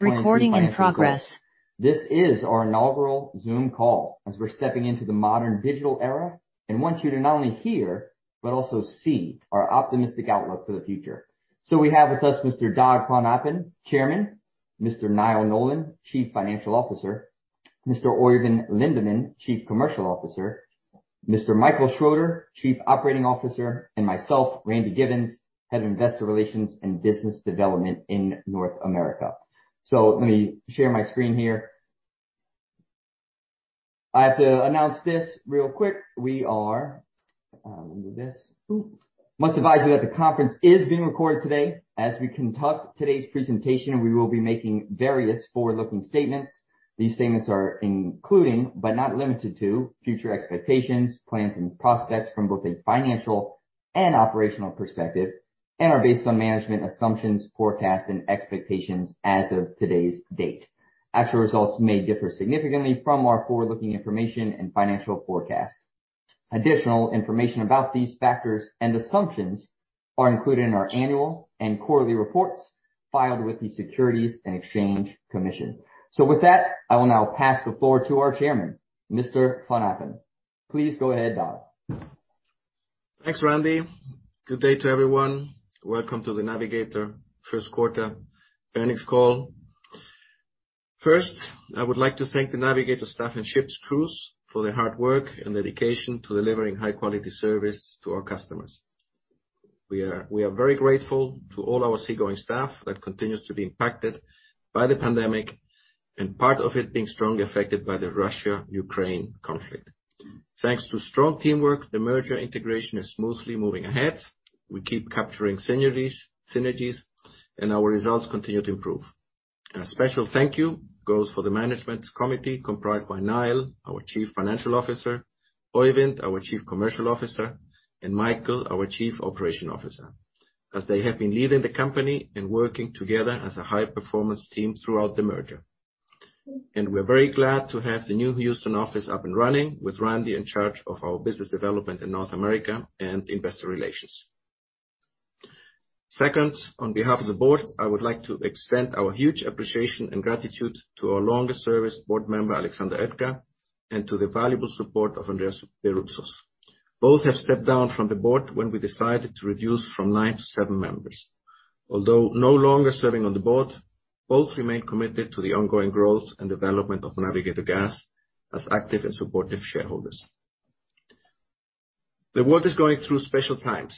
Recording in progress. This is our inaugural Zoom call as we're stepping into the modern digital era, and want you to not only hear, but also see our optimistic outlook for the future. We have with us Mr. Dag von Appen, Chairman, Mr. Niall Nolan, Chief Financial Officer, Mr. Øivind Lindeman, Chief Commercial Officer, Mr. Michael Schröder, Chief Operating Officer, and myself, Randy Giveans, Head of Investor Relations and Business Development in North America. Let me share my screen here. I have to announce this real quick. Must advise you that the conference is being recorded today. As we conduct today's presentation, we will be making various forward-looking statements. These statements are including, but not limited to, future expectations, plans, and prospects from both a financial and operational perspective, and are based on management assumptions, forecasts, and expectations as of today's date. Actual results may differ significantly from our forward-looking information and financial forecast. Additional information about these factors and assumptions are included in our annual and quarterly reports filed with the Securities and Exchange Commission. With that, I will now pass the floor to our Chairman, Mr. von Appen. Please go ahead, Dag. Thanks, Randy. Good day to everyone. Welcome to the Navigator first quarter earnings call. First, I would like to thank the Navigator staff and ship's crews for their hard work and dedication to delivering high quality service to our customers. We are very grateful to all our seagoing staff that continues to be impacted by the pandemic and part of it being strongly affected by the Russia-Ukraine conflict. Thanks to strong teamwork, the merger integration is smoothly moving ahead. We keep capturing synergies, and our results continue to improve. A special thank you goes for the management committee comprised by Niall, our Chief Financial Officer, Øivind, our Chief Commercial Officer, and Michael, our Chief Operating Officer, as they have been leading the company and working together as a high-performance team throughout the merger. We're very glad to have the new Houston office up and running with Randy in charge of our business development in North America and investor relations. Second, on behalf of the board, I would like to extend our huge appreciation and gratitude to our longest service board member, Alexander Oetker, and to the valuable support of Andreas Geroulanos. Both have stepped down from the board when we decided to reduce from nine to seven members. Although no longer serving on the board, both remain committed to the ongoing growth and development of Navigator Gas as active and supportive shareholders. The world is going through special times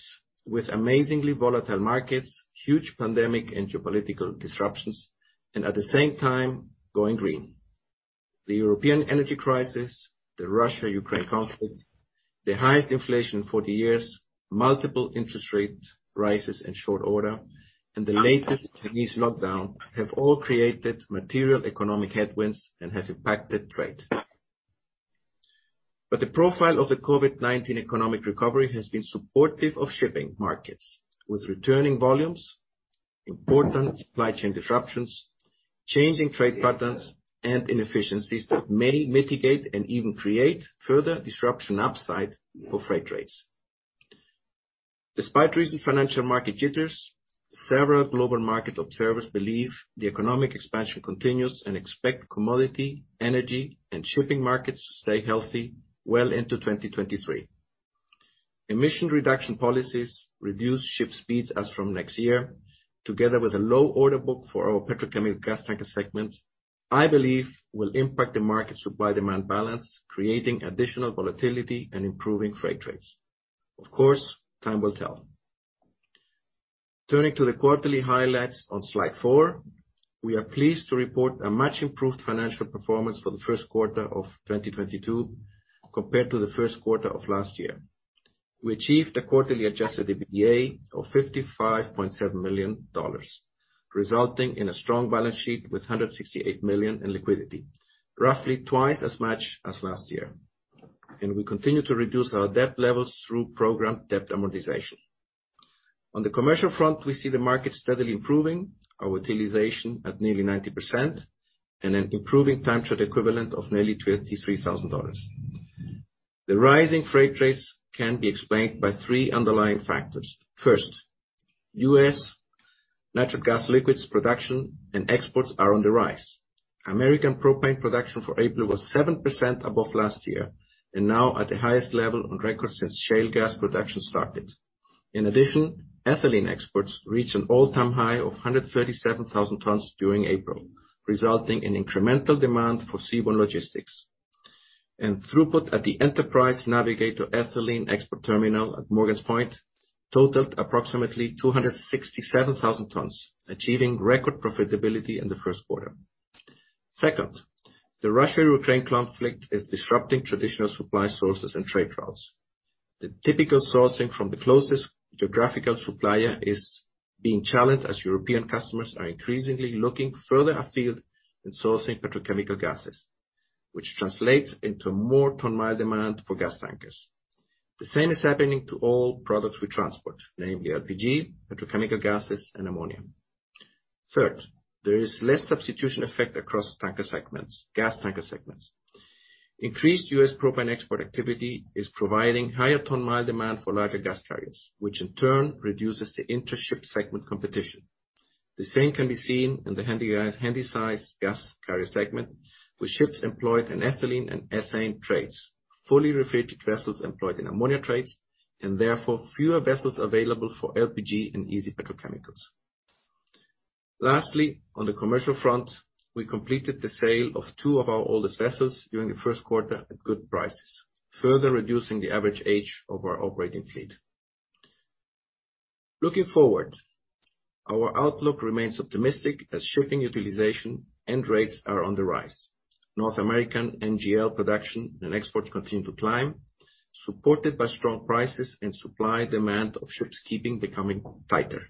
with amazingly volatile markets, huge pandemic and geopolitical disruptions, and at the same time, going green. The European energy crisis, the Russia-Ukraine conflict, the highest inflation in 40 years, multiple interest rates, rises in short order, and the latest Chinese lockdown have all created material economic headwinds and have impacted trade. The profile of the COVID-19 economic recovery has been supportive of shipping markets with returning volumes, important supply chain disruptions, changing trade patterns, and inefficiencies that may mitigate and even create further disruption upside for freight rates. Despite recent financial market jitters, several global market observers believe the economic expansion continues and expect commodity, energy, and shipping markets to stay healthy well into 2023. Emission reduction policies reduce ship speeds as from next year, together with a low order book for our petrochemical gas tanker segment, I believe will impact the market supply-demand balance, creating additional volatility and improving freight rates. Of course, time will tell. Turning to the quarterly highlights on slide 4, we are pleased to report a much improved financial performance for the first quarter of 2022 compared to the first quarter of last year. We achieved a quarterly adjusted EBITDA of $55.7 million, resulting in a strong balance sheet with $168 million in liquidity, roughly twice as much as last year. We continue to reduce our debt levels through program debt amortization. On the commercial front, we see the market steadily improving, our utilization at nearly 90% and an improving time charter equivalent of nearly $33,000. The rising freight rates can be explained by 3 underlying factors. First, U.S. natural gas liquids production and exports are on the rise. American propane production for April was 7% above last year and now at the highest level on record since shale gas production started. In addition, ethylene exports reach an all-time high of 137,000 tons during April, resulting in incremental demand for seaborne logistics. Throughput at the Enterprise Navigator Ethylene Export Terminal at Morgan's Point totaled approximately 267,000 tons, achieving record profitability in the first quarter. Second, the Russia-Ukraine conflict is disrupting traditional supply sources and trade routes. The typical sourcing from the closest geographical supplier is being challenged as European customers are increasingly looking further afield in sourcing petrochemical gases, which translates into more ton mile demand for gas tankers. The same is happening to all products we transport, namely LPG, petrochemical gases, and ammonia. Third, there is less substitution effect across tanker segments, gas tanker segments. Increased U.S. propane export activity is providing higher ton mile demand for larger gas carriers, which in turn reduces the intra-ship segment competition. The same can be seen in the handysize gas carrier segment, with ships employed in ethylene and ethane trades, fully refitted vessels employed in ammonia trades, and therefore fewer vessels available for LPG and easy petrochemicals. Lastly, on the commercial front, we completed the sale of 2 of our oldest vessels during the first quarter at good prices, further reducing the average age of our operating fleet. Looking forward, our outlook remains optimistic as shipping utilization and rates are on the rise. North American NGL production and exports continue to climb, supported by strong prices and supply and demand of ships becoming tighter.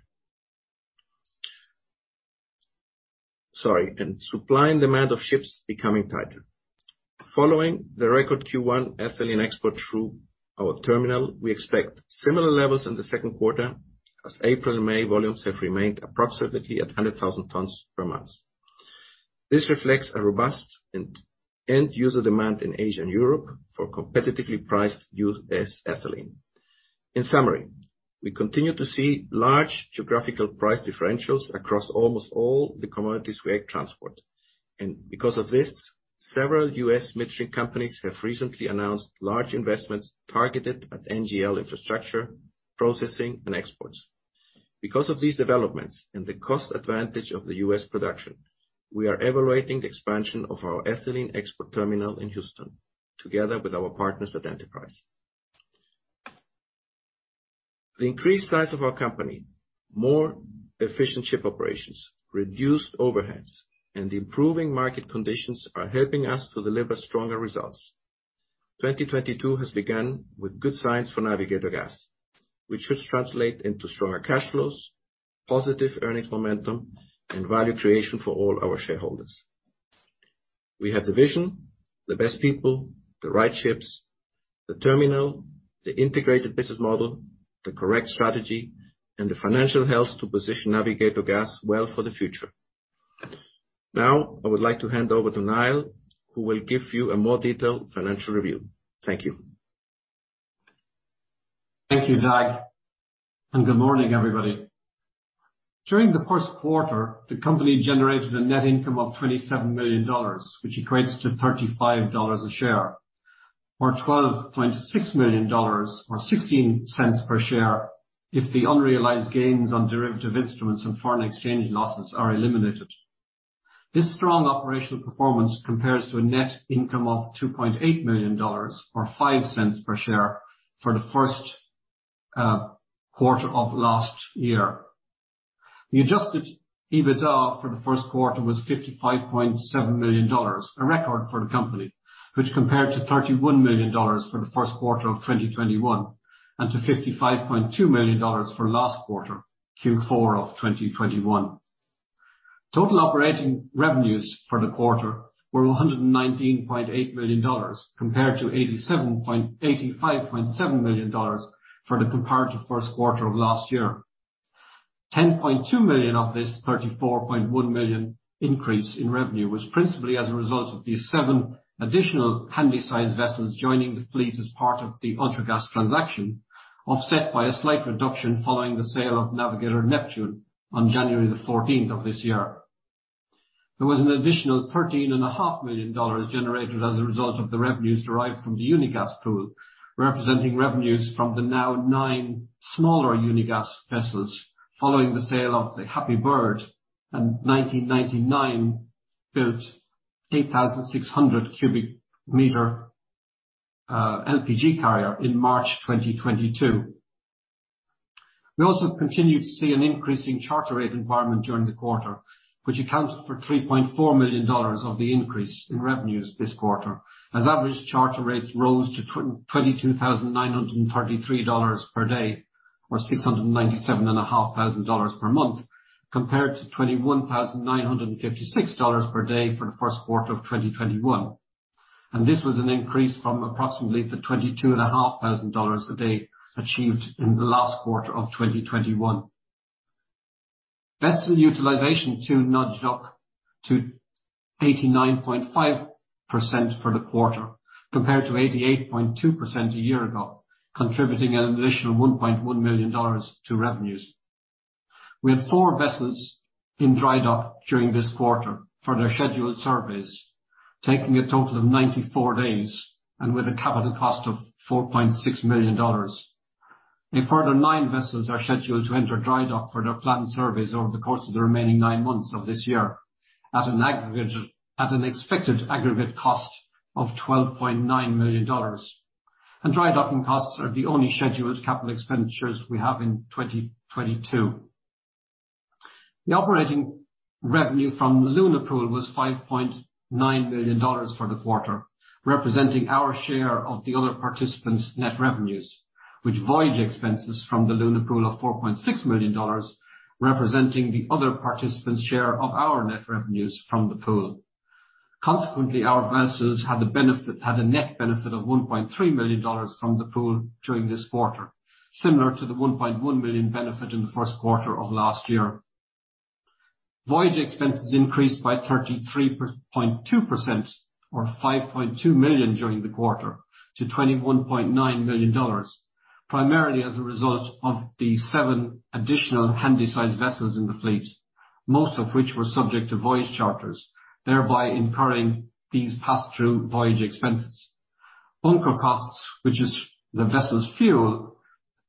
Following the record Q1 ethylene export through our terminal, we expect similar levels in the second quarter as April and May volumes have remained approximately 100,000 tons per month. This reflects a robust end user demand in Asia and Europe for competitively priced U.S. ethylene. In summary, we continue to see large geographical price differentials across almost all the commodities we transport. Because of this, several U.S. midstream companies have recently announced large investments targeted at NGL infrastructure, processing, and exports. Because of these developments and the cost advantage of the U.S. production, we are evaluating the expansion of our ethylene export terminal in Houston together with our partners at Enterprise. The increased size of our company, more efficient ship operations, reduced overheads, and the improving market conditions are helping us to deliver stronger results. 2022 has begun with good signs for Navigator Gas, which should translate into stronger cash flows, positive earnings momentum, and value creation for all our shareholders. We have the vision, the best people, the right ships, the terminal, the integrated business model, the correct strategy, and the financial health to position Navigator Gas well for the future. Now, I would like to hand over to Niall, who will give you a more detailed financial review. Thank you. Thank you, Dag, and good morning, everybody. During the first quarter, the company generated a net income of $27 million, which equates to $0.35 per share, or $12.6 million or $0.16 per share if the unrealized gains on derivative instruments and foreign exchange losses are eliminated. This strong operational performance compares to a net income of $2.8 million or $0.05 per share for the first quarter of last year. The adjusted EBITDA for the first quarter was $55.7 million, a record for the company, which compared to $31 million for the first quarter of 2021 and to $55.2 million for last quarter, Q4 of 2021. Total operating revenues for the quarter were $119.8 million, compared to $85.7 million for the comparative first quarter of last year 10.2Million of this 34.1 Million increase in revenue was principally as a result of the 7 additional handysize vessels joining the fleet as part of the Ultragas transaction, offset by a slight reduction following the sale of Navigator Neptune on January the 14th of this year. There was an additional $13.5 million generated as a result of the revenues derived from the Unigas pool, representing revenues from the now nine smaller Unigas vessels following the sale of the Happy Bird, a 1999-built 8,600 cubic meter LPG carrier in March 2022. We also continued to see an increasing charter rate environment during the quarter, which accounts for $3.4 million of the increase in revenues this quarter, as average charter rates rose to $22,933 per day or $697,500 per month, compared to $21,956 per day for the first quarter of 2021. This was an increase from approximately $22,500 a day achieved in the last quarter of 2021. Vessel utilization too nudged up to 89.5% for the quarter, compared to 88.2% a year ago, contributing an additional $1.1 million to revenues. We had 4 vessels in dry dock during this quarter for their scheduled surveys, taking a total of 94 days and with a capital cost of $4.6 million. A further 9 vessels are scheduled to enter dry dock for their planned surveys over the course of the remaining 9 months of this year at an expected aggregate cost of $12.9 million. Dry docking costs are the only scheduled capital expenditures we have in 2022. The operating revenue from the Luna Pool was $5.9 million for the quarter, representing our share of the other participants' net revenues. With voyage expenses from the Luna Pool of $4.6 million, representing the other participants' share of our net revenues from the pool. Consequently, our vessels had a net benefit of $1.3 million from the pool during this quarter, similar to the $1.1 million benefit in the first quarter of last year. Voyage expenses increased by 33.2% or $5.2 million during the quarter to $21.9 million, primarily as a result of the 7 additional handysize vessels in the fleet, most of which were subject to voyage charters, thereby incurring these pass-through voyage expenses. Bunker costs, which is the vessel's fuel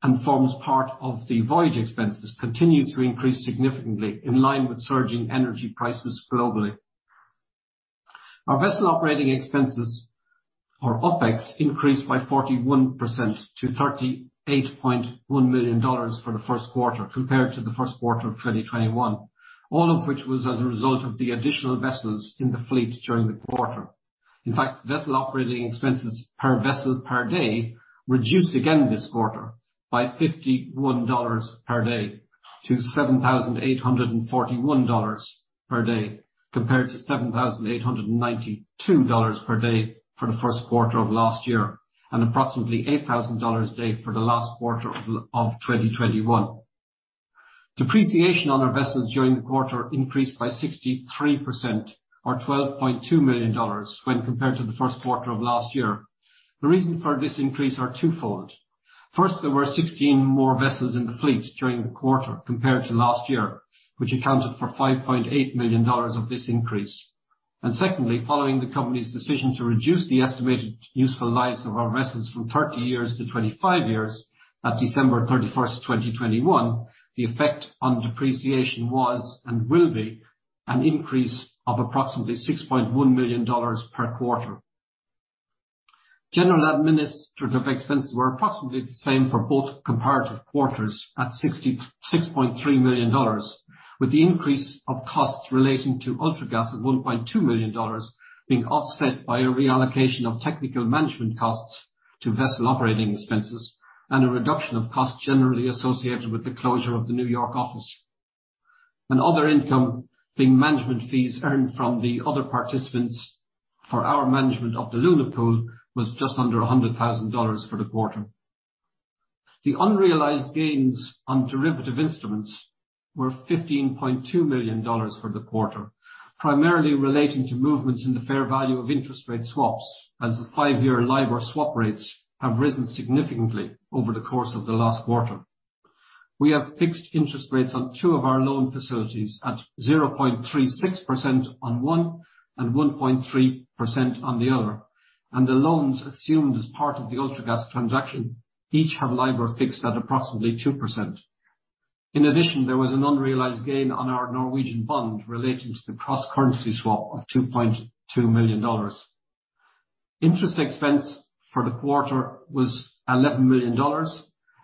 and forms part of the voyage expenses, continues to increase significantly in line with surging energy prices globally. Our vessel operating expenses or OpEx increased by 41% to $38.1 million for the first quarter compared to the first quarter of 2021, all of which was as a result of the additional vessels in the fleet during the quarter. In fact, vessel operating expenses per vessel per day reduced again this quarter by $51 per day to $7,841 per day, compared to $7,892 per day for the first quarter of last year, and approximately $8,000 a day for the last quarter of twenty twenty-one. Depreciation on our vessels during the quarter increased by 63% or $12.2 million when compared to the first quarter of last year. The reason for this increase are twofold. First, there were 16 more vessels in the fleet during the quarter compared to last year, which accounted for $5.8 million of this increase. Secondly, following the company's decision to reduce the estimated useful lives of our vessels from 30 years to 25 years at December 31, 2021, the effect on depreciation was and will be an increase of approximately $6.1 million per quarter. General administrative expenses were approximately the same for both comparative quarters at $66.3 million, with the increase of costs relating to Ultragas of $1.2 million being offset by a reallocation of technical management costs to vessel operating expenses and a reduction of costs generally associated with the closure of the New York office. Other income being management fees earned from the other participants for our management of the Luna Pool, was just under $100,000 for the quarter. The unrealized gains on derivative instruments were $15.2 million for the quarter, primarily relating to movements in the fair value of interest rate swaps as the five-year LIBOR swap rates have risen significantly over the course of the last quarter. We have fixed interest rates on 2 of our loan facilities at 0.36% on one and 1.3% on the other. The loans assumed as part of the Ultragas transaction each have LIBOR fixed at approximately 2%. In addition, there was an unrealized gain on our Norwegian bond relating to the cross-currency swap of $2.2 million. Interest expense for the quarter was $11 million,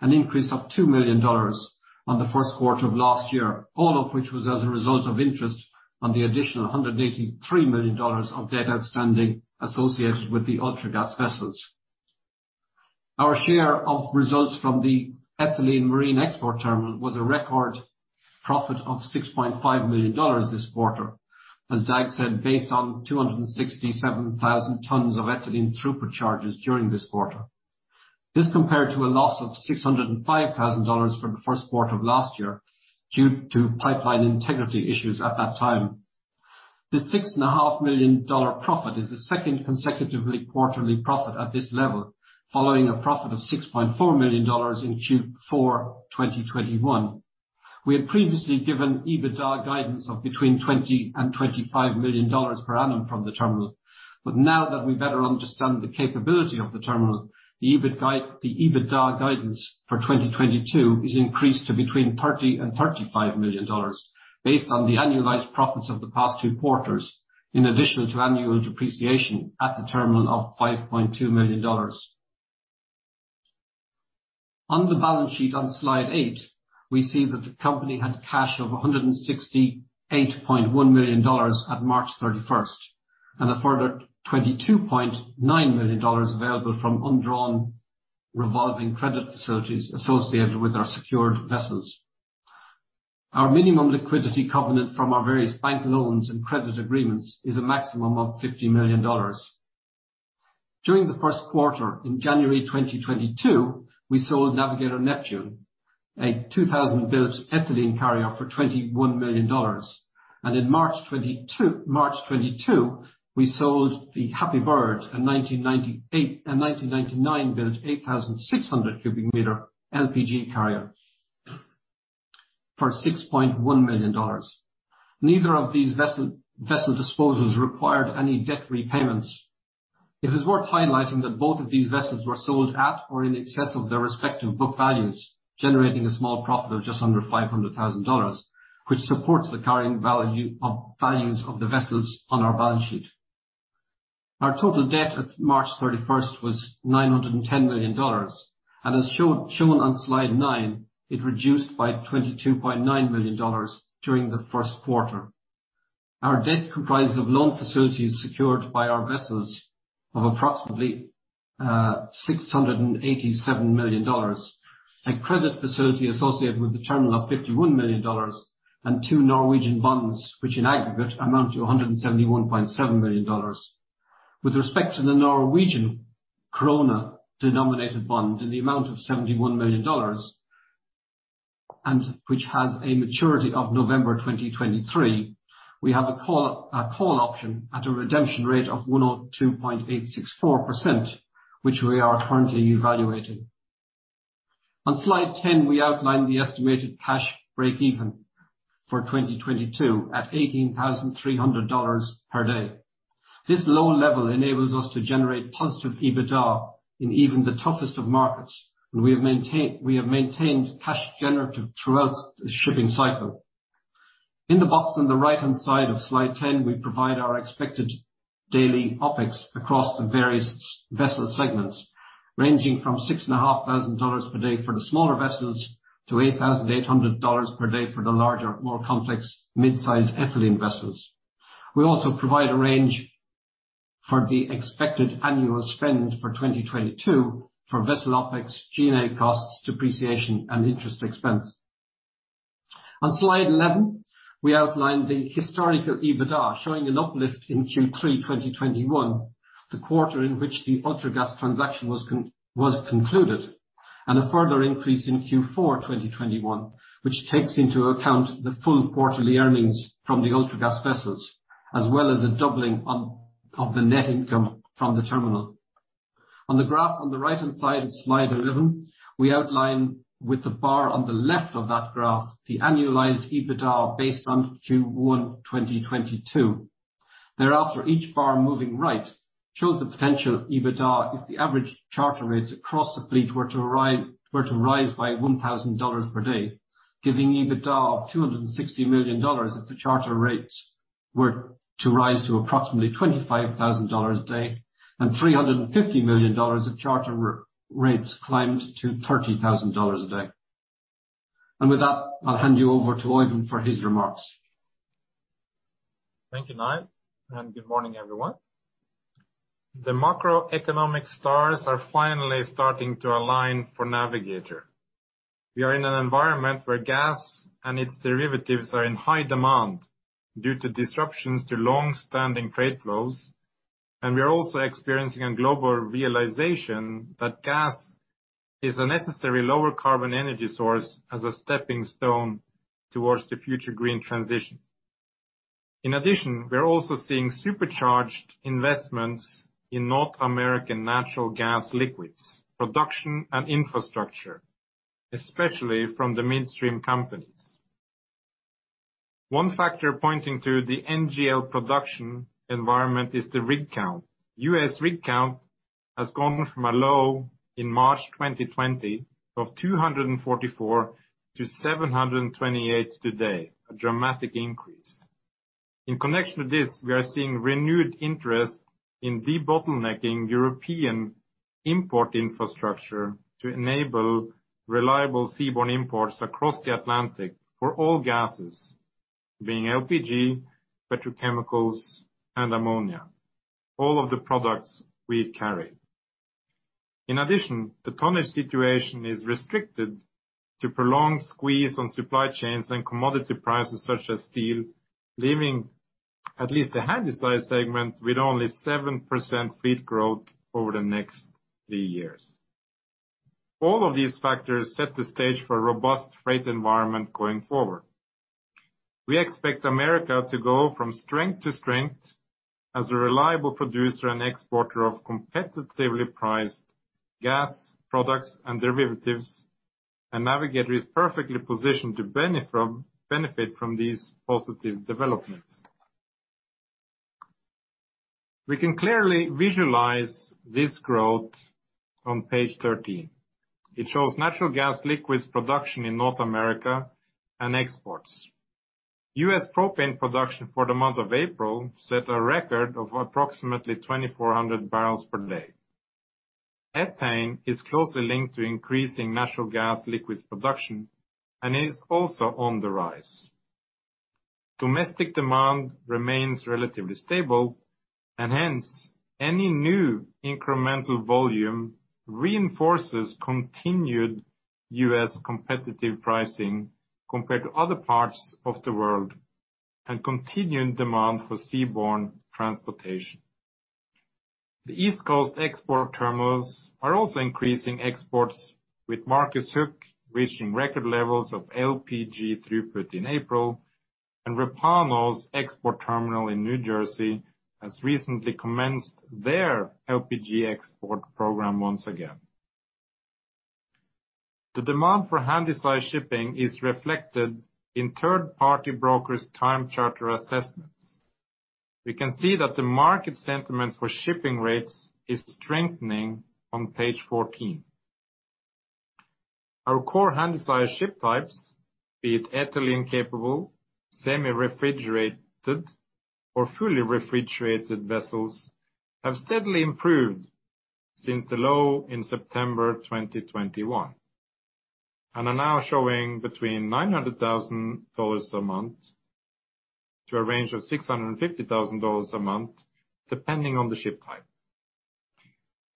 an increase of $2 million on the first quarter of last year, all of which was as a result of interest on the additional $183 million of debt outstanding associated with the Ultragas vessels. Our share of results from the Ethylene Marine Export Terminal was a record profit of $6.5 million this quarter. As Dave said, based on 267,000 tons of ethylene throughput charges during this quarter. This compared to a loss of $605,000 for the first quarter of last year due to pipeline integrity issues at that time. The six and a half million dollar profit is the second consecutive quarterly profit at this level, following a profit of $6.4 million in Q4 2021. We had previously given EBITDA guidance of between $20 million and $25 million per annum from the terminal. Now that we better understand the capability of the terminal, the EBITDA guidance for 2022 is increased to between $30 million and $35 million based on the annualized profits of the past two quarters, in addition to annual depreciation at the terminal of $5.2 million. On the balance sheet on slide 8, we see that the company had cash of $168.1 million at March thirty-first, and a further $22.9 million available from undrawn revolving credit facilities associated with our secured vessels. Our minimum liquidity covenant from our various bank loans and credit agreements is a maximum of $50 million. During the first quarter in January 2022, we sold Navigator Neptune, a 2000-built ethylene carrier, for $21 million. In March 2022, we sold the Happy Bird, a 1999-built 8,600 cubic meter LPG carrier for $6.1 million. Neither of these vessel disposals required any debt repayments. It is worth highlighting that both of these vessels were sold at or in excess of their respective book values, generating a small profit of just under $500,000, which supports the carrying values of the vessels on our balance sheet. Our total debt at March 31 was $910 million, and as shown on slide 9, it reduced by $22.9 million during the first quarter. Our debt comprised of loan facilities secured by our vessels of approximately $687 million. A credit facility associated with the terminal of $51 million and two Norwegian bonds, which in aggregate amount to $171.7 million. With respect to the Norwegian krona denominated bond in the amount of $71 million, and which has a maturity of November 2023, we have a call option at a redemption rate of 102.864%, which we are currently evaluating. On slide ten, we outline the estimated cash breakeven for 2022 at $18,300 per day. This low level enables us to generate positive EBITDA in even the toughest of markets, and we have maintained cash generative throughout the shipping cycle. In the box on the right-hand side of slide ten, we provide our expected daily OpEx across the various vessel segments, ranging from $6,500 per day for the smaller vessels to $8,800 per day for the larger, more complex mid-size ethylene vessels. We also provide a range for the expected annual spend for 2022 for vessel OpEx, G&A costs, depreciation, and interest expense. On slide eleven, we outline the historical EBITDA, showing an uplift in Q3 2021, the quarter in which the Ultragas transaction was concluded, and a further increase in Q4 2021, which takes into account the full quarterly earnings from the Ultragas vessels, as well as a doubling of the net income from the terminal. On the graph on the right-hand side of slide 11, we outline with the bar on the left of that graph, the annualized EBITDA based on Q1 2022. Thereafter, each bar moving right shows the potential EBITDA if the average charter rates across the fleet were to rise by $1,000 per day, giving EBITDA of $260 million if the charter rates were to rise to approximately $25,000 a day, and $350 million if charter rates climbed to $30,000 a day. With that, I'll hand you over to Øivind for his remarks. Thank you, Niall, and good morning, everyone. The macroeconomic stars are finally starting to align for Navigator. We are in an environment where gas and its derivatives are in high demand due to disruptions to long-standing trade flows, and we are also experiencing a global realization that gas is a necessary lower carbon energy source as a stepping stone towards the future green transition. In addition, we are also seeing supercharged investments in North American natural gas liquids, production and infrastructure, especially from the midstream companies. One factor pointing to the NGL production environment is the rig count. U.S. rig count has gone from a low in March 2020 of 244 to 728 today, a dramatic increase. In connection to this, we are seeing renewed interest in debottlenecking European import infrastructure to enable reliable seaborne imports across the Atlantic for all gases, being LPG, petrochemicals, and ammonia, all of the products we carry. In addition, the tonnage situation is restricted to prolonged squeeze on supply chains and commodity prices such as steel, leaving at least the handysize segment with only 7% fleet growth over the next three years. All of these factors set the stage for a robust freight environment going forward. We expect America to go from strength to strength as a reliable producer and exporter of competitively priced gas products and derivatives, and Navigator is perfectly positioned to benefit from these positive developments. We can clearly visualize this growth on page 13. It shows natural gas liquids production in North America and exports. US propane production for the month of April set a record of approximately 2,400 barrels per day. Ethane is closely linked to increasing natural gas liquids production and is also on the rise. Domestic demand remains relatively stable and hence, any new incremental volume reinforces continued US competitive pricing compared to other parts of the world and continued demand for seaborne transportation. The East Coast export terminals are also increasing exports with Marcus Hook reaching record levels of LPG throughput in April, and Repauno's export terminal in New Jersey has recently commenced their LPG export program once again. The demand for handysize shipping is reflected in third-party brokers' time charter assessments. We can see that the market sentiment for shipping rates is strengthening on page 14. Our core handysize ship types, be it ethylene capable, semi-refrigerated or fully refrigerated vessels, have steadily improved since the low in September 2021. They are now showing between $900,000 a month to a range of $650,000 a month, depending on the ship type.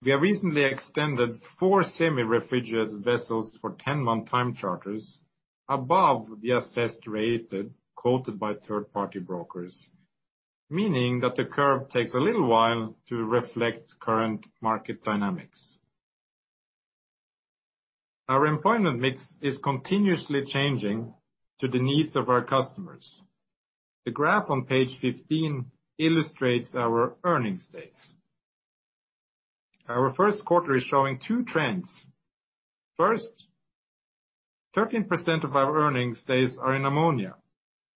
We have recently extended 4 semi-refrigerated vessels for 10-month time charters above the assessed rate quoted by third-party brokers, meaning that the curve takes a little while to reflect current market dynamics. Our employment mix is continuously changing to the needs of our customers. The graph on page 15 illustrates our earnings days. Our first quarter is showing two trends. First, 13% of our earnings days are in ammonia.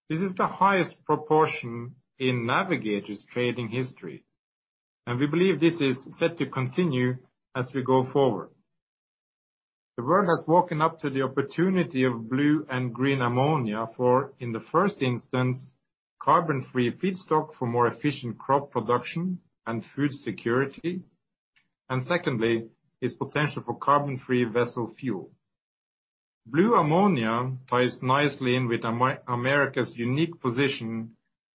This is the highest proportion in Navigator's trading history, and we believe this is set to continue as we go forward. The world has woken up to the opportunity of blue and green ammonia for, in the first instance, carbon-free feedstock for more efficient crop production and food security, and secondly, its potential for carbon-free vessel fuel. Blue ammonia ties nicely in with America's unique position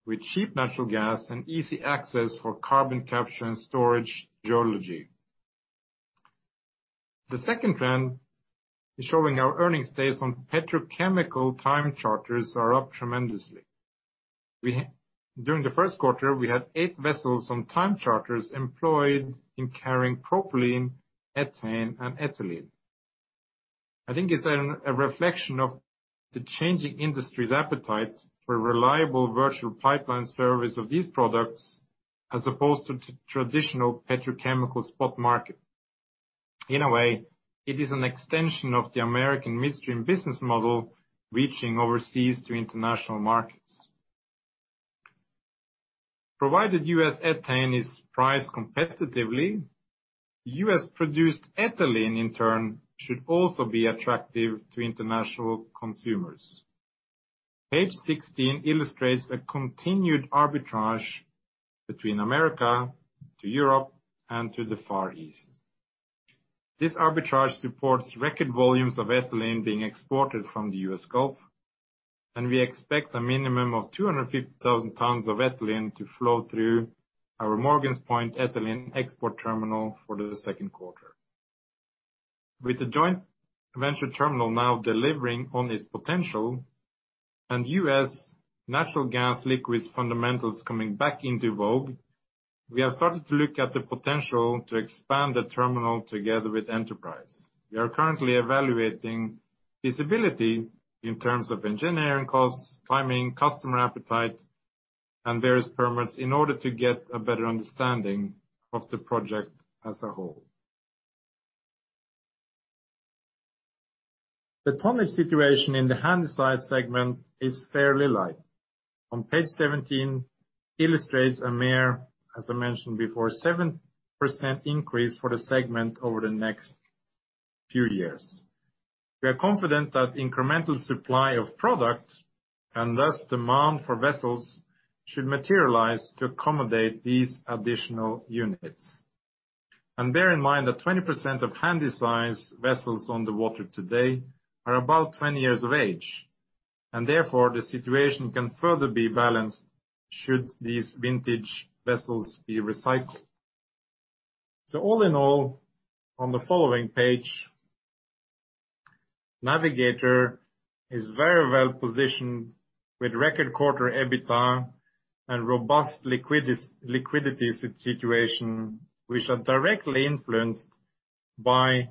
with cheap natural gas and easy access for carbon capture and storage geology. The second trend is showing our earnings days on petrochemical time charters are up tremendously. During the first quarter, we had 8 vessels on time charters employed in carrying propylene, ethane, and ethylene. I think it's a reflection of the changing industry's appetite for reliable virtual pipeline service of these products as opposed to traditional petrochemicals spot market. In a way, it is an extension of the American midstream business model reaching overseas to international markets. Provided U.S. ethane is priced competitively, U.S.-produced ethylene, in turn, should also be attractive to international consumers. Page 16 illustrates a continued arbitrage between America to Europe and to the Far East. This arbitrage supports record volumes of ethylene being exported from the U.S. Gulf, and we expect a minimum of 250,000 tons of ethylene to flow through our Morgan's Point ethylene export terminal for the second quarter. With the joint venture terminal now delivering on its potential and U.S. natural gas liquids fundamentals coming back into vogue, we have started to look at the potential to expand the terminal together with Enterprise. We are currently evaluating feasibility in terms of engineering costs, timing, customer appetite, and various permits in order to get a better understanding of the project as a whole. The tonnage situation in the handysize segment is fairly light. On page 17 illustrates a mere, as I mentioned before, 7% increase for the segment over the next few years. We are confident that incremental supply of product and thus demand for vessels should materialize to accommodate these additional units. Bear in mind that 20% of handysize vessels on the water today are about 20 years of age, and therefore, the situation can further be balanced should these vintage vessels be recycled. All in all, on the following page, Navigator is very well-positioned with record quarter EBITDA and robust liquidity situation, which are directly influenced by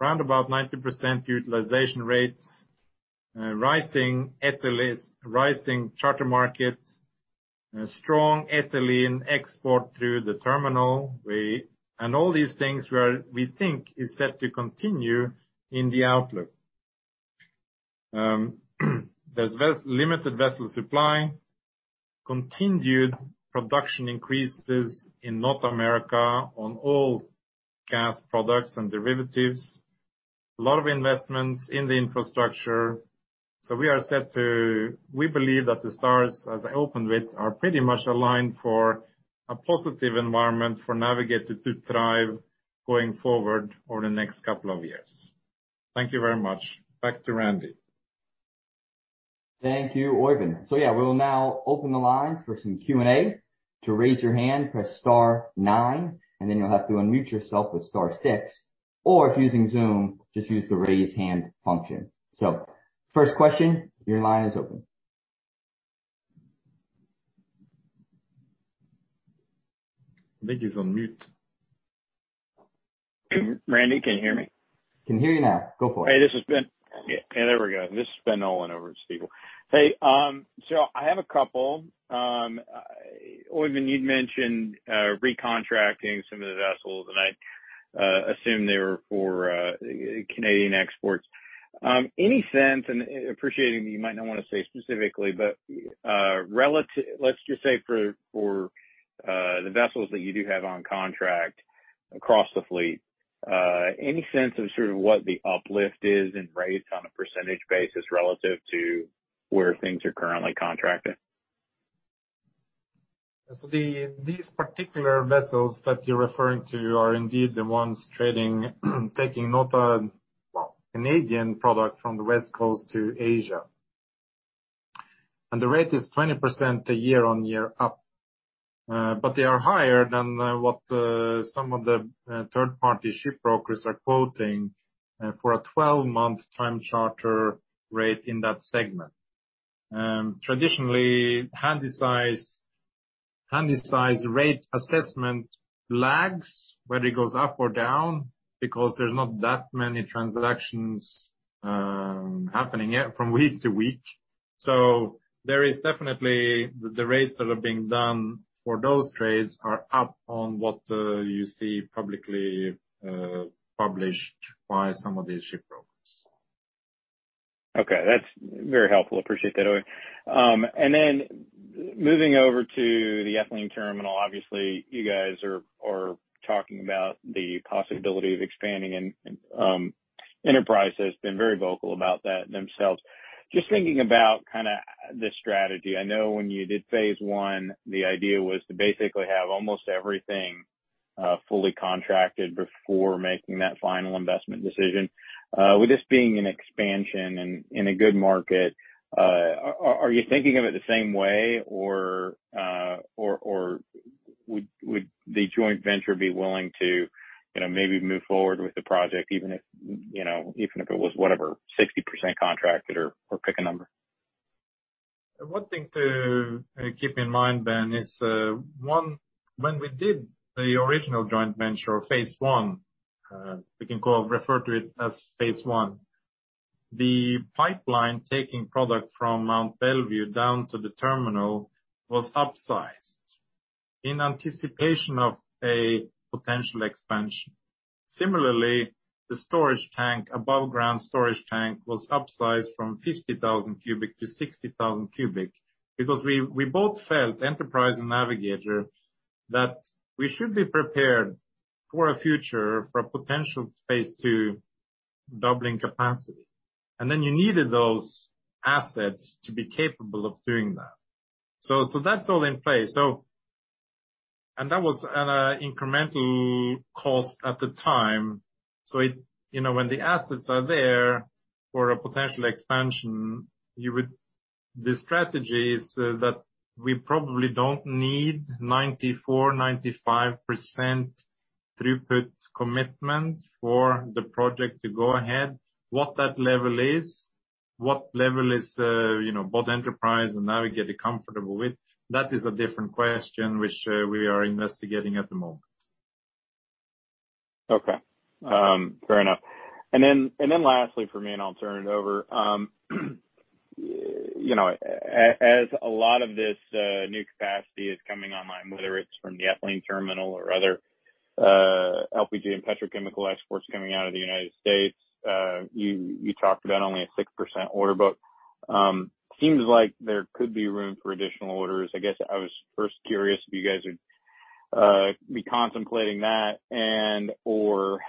round about 90% utilization rates, rising ethylene, rising charter market, a strong ethylene export through the terminal. All these things we are, we think is set to continue in the outlook. There's limited vessel supply, continued production increases in North America on all gas products and derivatives, a lot of investments in the infrastructure. We believe that the stars, as I opened with, are pretty much aligned for a positive environment for Navigator to thrive going forward over the next couple of years. Thank you very much. Back to Randy. Thank you, Oivind. Yeah, we will now open the lines for some Q&A. To raise your hand, press star nine, and then you'll have to unmute yourself with star six. If using Zoom, just use the raise hand function. First question, your line is open. I think he's on mute. Randy, can you hear me? Can hear you now. Go for it. Hey, this is Ben. Yeah, there we go. This is Ben Nolan over at Stifel. Hey, so I have a couple. Øivind, you'd mentioned recontracting some of the vessels, and I assumed they were for Canadian exports. Any sense, and appreciating that you might not wanna say specifically, but relative, let's just say for the vessels that you do have on contract across the fleet, any sense of sort of what the uplift is in rates on a percentage basis relative to where things are currently contracted? These particular vessels that you're referring to are indeed the ones trading, taking notably Canadian product from the West Coast to Asia. The rate is 20% year-on-year up. But they are higher than what some of the third-party ship brokers are quoting for a 12-month time charter rate in that segment. Traditionally, handysize rate assessment lags, whether it goes up or down because there's not that many transactions happening yet from week to week. There is definitely the rates that are being done for those trades are up on what you see publicly published by some of these ship brokers. Okay. That's very helpful. Appreciate that, Ole. Moving over to the ethylene terminal. Obviously, you guys are talking about the possibility of expanding and Enterprise has been very vocal about that themselves. Just thinking about kinda the strategy. I know when you did phase one, the idea was to basically have almost everything fully contracted before making that final investment decision. With this being an expansion and in a good market, are you thinking of it the same way or would the joint venture be willing to, you know, maybe move forward with the project even if, you know, even if it was whatever, 60% contracted or pick a number? One thing to keep in mind, Ben, is one, when we did the original joint venture or phase one, we can refer to it as phase one. The pipeline taking product from Mont Belvieu down to the terminal was upsized in anticipation of a potential expansion. Similarly, the storage tank, above ground storage tank was upsized from 50,000 cubic to 60,000 cubic because we both felt, Enterprise and Navigator, that we should be prepared for a potential phase two doubling capacity. You needed those assets to be capable of doing that. That's all in place. That was at an incremental cost at the time. So it You know, when the assets are there for a potential expansion, the strategy is that we probably don't need 94%-95% throughput commitment for the project to go ahead. What that level is, you know, both Enterprise and Navigator comfortable with, that is a different question which we are investigating at the moment. Okay. Fair enough. Lastly for me, and I'll turn it over. You know, as a lot of this new capacity is coming online, whether it's from the ethylene terminal or other LPG and petrochemical exports coming out of the United States, you talked about only a 6% order book. Seems like there could be room for additional orders. I guess I was first curious if you guys would be contemplating that and/or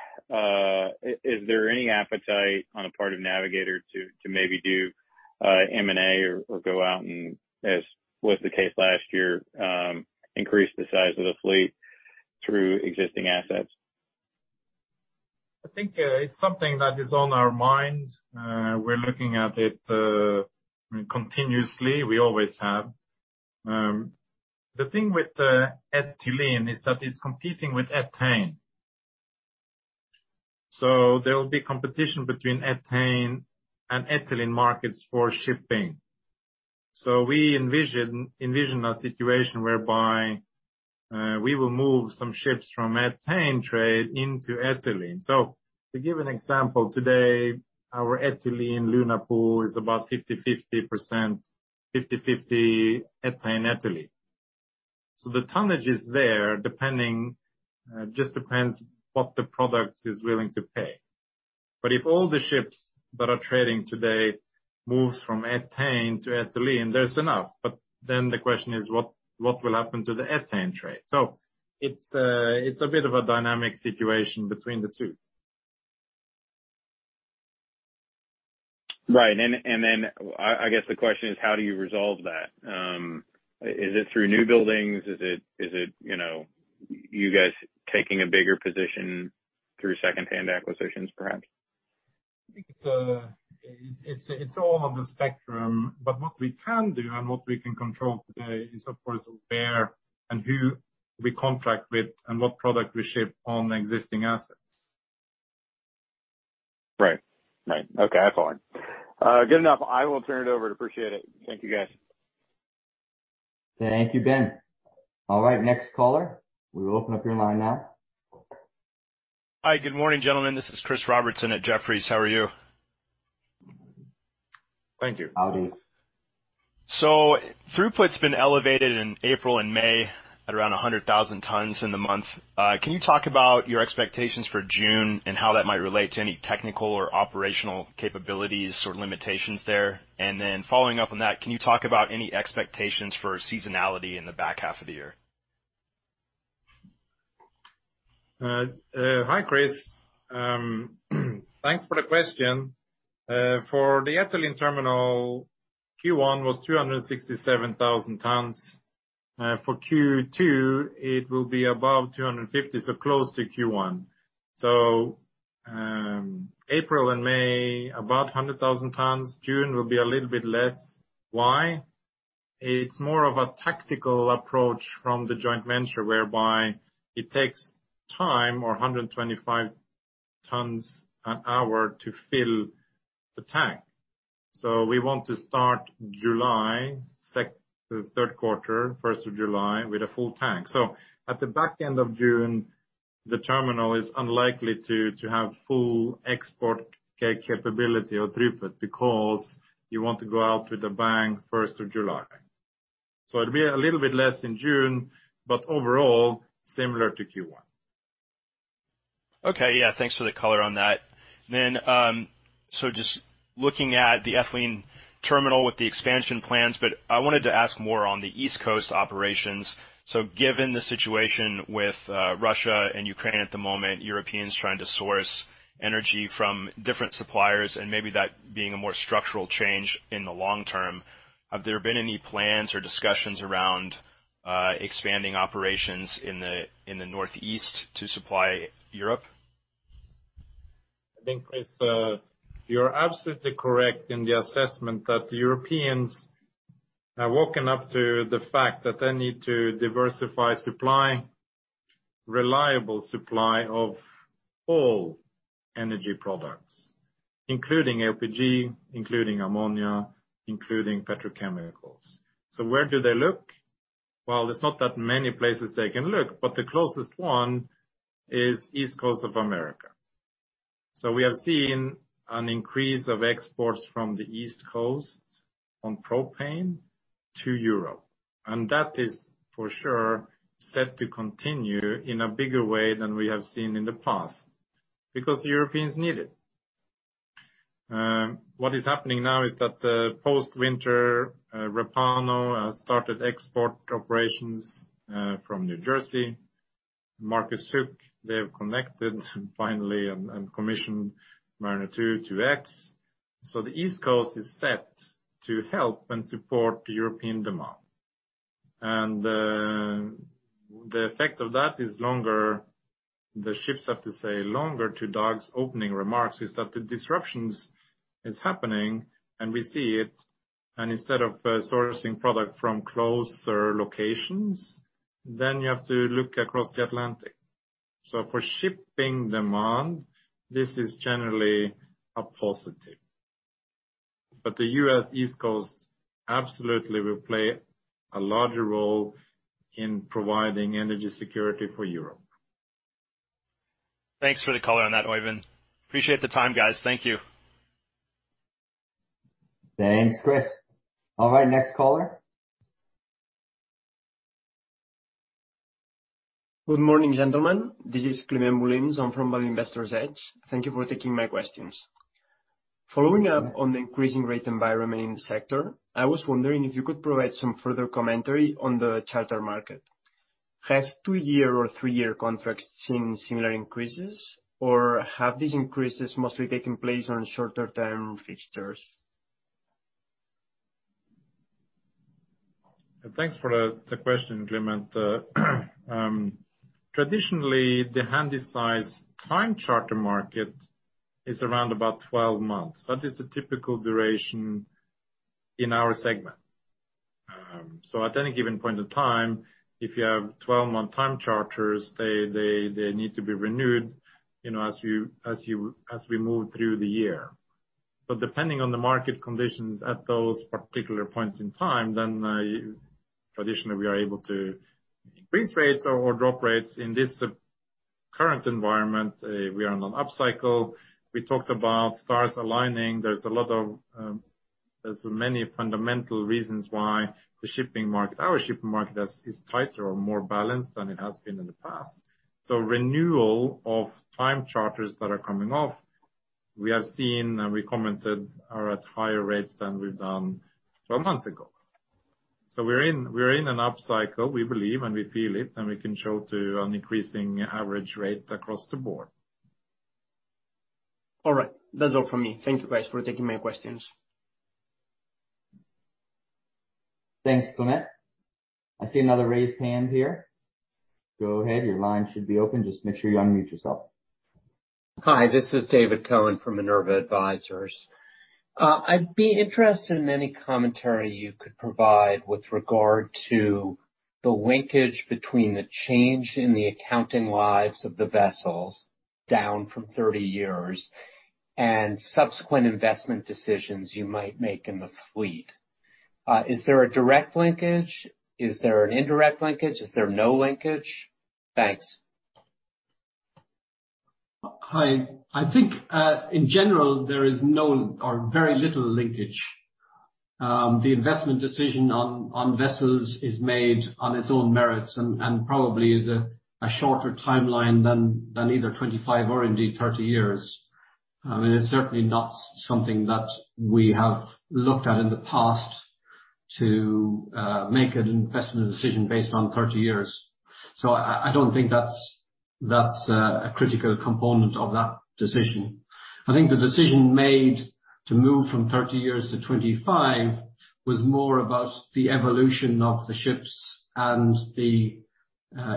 is there any appetite on the part of Navigator to maybe do M&A or go out and, as was the case last year, increase the size of the fleet through existing assets? I think it's something that is on our mind. We're looking at it continuously. We always have. The thing with the ethylene is that it's competing with ethane. There will be competition between ethane and ethylene markets for shipping. We envision a situation whereby we will move some ships from ethane trade into ethylene. To give an example, today our ethylene Luna Pool is about 50/50% ethane, ethylene. The tonnage is there, just depends what the product is willing to pay. If all the ships that are trading today moves from ethane to ethylene, there's enough. The question is what will happen to the ethane trade. It's a bit of a dynamic situation between the two. Right. I guess the question is how do you resolve that? Is it through new buildings? Is it, you know, you guys taking a bigger position through secondhand acquisitions, perhaps? I think it's all of the spectrum. What we can do and what we can control today is, of course, where and who we contract with and what product we ship on existing assets. Right. Okay. I follow it. Good enough. I will turn it over. I appreciate it. Thank you, guys. Thank you, Ben. All right, next caller. We will open up your line now. Hi, good morning, gentlemen. This is Chris Robertson at Jefferies. How are you? Thank you. Howdy. Throughput's been elevated in April and May at around 100,000 tons in the month. Can you talk about your expectations for June and how that might relate to any technical or operational capabilities or limitations there? Following up on that, can you talk about any expectations for seasonality in the back half of the year? Hi, Chris. Thanks for the question. For the ethylene terminal, Q1 was 267,000 tons. For Q2, it will be above 250, so close to Q1. April and May, about 100,000 tons. June will be a little bit less. Why? It's more of a tactical approach from the joint venture whereby it takes time or 125 tons an hour to fill the tank. We want to start July, the third quarter, first of July, with a full tank. At the back end of June, the terminal is unlikely to have full export capability at Three Foot because you want to go out with a bang first of July. It'll be a little bit less in June, but overall, similar to Q1. Okay. Yeah, thanks for the color on that. Just looking at the ethylene terminal with the expansion plans, I wanted to ask more on the East Coast operations. Given the situation with Russia and Ukraine at the moment, Europeans trying to source energy from different suppliers and maybe that being a more structural change in the long term, have there been any plans or discussions around expanding operations in the Northeast to supply Europe? I think, Chris, you're absolutely correct in the assessment that the Europeans have woken up to the fact that they need to diversify supply, reliable supply of all energy products, including LPG, including ammonia, including petrochemicals. Where do they look? Well, there's not that many places they can look, but the closest one is East Coast of America. We have seen an increase of exports from the East Coast of propane to Europe. That is for sure set to continue in a bigger way than we have seen in the past because Europeans need it. What is happening now is that post-winter Repauno has started export operations from New Jersey. Marcus Hook, they have connected finally and commissioned Mariner East 2X. The East Coast is set to help and support the European demand. The effect of that is longer. The ships have to stay longer. To Dag's opening remarks is that the disruptions is happening and we see it. Instead of sourcing product from closer locations, then you have to look across the Atlantic. For shipping demand, this is generally a positive. The U.S. East Coast absolutely will play a larger role in providing energy security for Europe. Thanks for the color on that, Oeyvind. Appreciate the time, guys. Thank you. Thanks, Chris. All right, next caller. Good morning, gentlemen. This is Clement Di Vittorio. I'm from Investor's Edge. Thank you for taking my questions. Following up on the increasing rate environment in the sector, I was wondering if you could provide some further commentary on the charter market. Have two-year or three-year contracts seen similar increases, or have these increases mostly taken place on shorter term fixtures? Thanks for the question, Clement. Traditionally, the handysize time charter market is around about 12 months. That is the typical duration in our segment. At any given point of time, if you have 12-month time charters, they need to be renewed, you know, as we move through the year. Depending on the market conditions at those particular points in time, traditionally, we are able to increase rates or drop rates. In this current environment, we are on an upcycle. We talked about stars aligning. There's many fundamental reasons why the shipping market, our shipping market is tighter or more balanced than it has been in the past. Renewal of time charters that are coming off, we have seen and we commented are at higher rates than we've done 12 months ago. We're in an upcycle, we believe, and we feel it, and we can show an increasing average rate across the board. All right. That's all from me. Thank you guys for taking my questions. Thanks, Clement. I see another raised hand here. Go ahead. Your line should be open. Just make sure you unmute yourself. Hi, this is David Cohen from Minerva Advisors. I'd be interested in any commentary you could provide with regard to the linkage between the change in the accounting lives of the vessels down from 30 years and subsequent investment decisions you might make in the fleet. Is there a direct linkage? Is there an indirect linkage? Is there no linkage? Thanks. Hi. I think in general, there is no or very little linkage. The investment decision on vessels is made on its own merits and probably is a shorter timeline than either 25 or indeed 30 years. I mean, it's certainly not something that we have looked at in the past to make an investment decision based on 30 years. I don't think that's a critical component of that decision. I think the decision made to move from 30 years to 25 was more about the evolution of the ships and the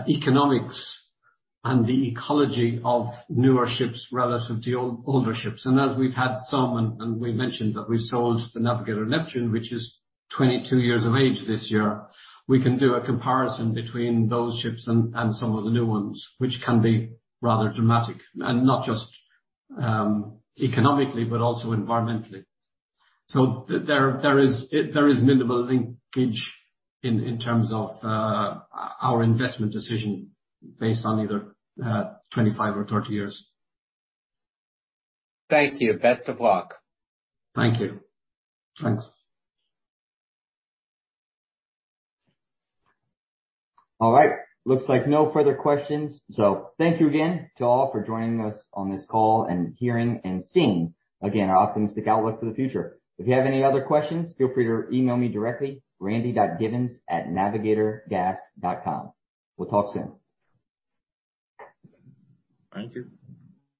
economics and the ecology of newer ships relative to older ships. We mentioned that we sold the Navigator Neptune, which is 22 years of age this year. We can do a comparison between those ships and some of the new ones, which can be rather dramatic, and not just economically, but also environmentally. There is minimal linkage in terms of our investment decision based on either 25 or 30 years. Thank you. Best of luck. Thank you. Thanks. All right. Looks like no further questions. Thank you again to all for joining us on this call and hearing and seeing again our optimistic outlook for the future. If you have any other questions, feel free to email me directly, randy.giveans@navigatorgas.com. We'll talk soon. Thank you.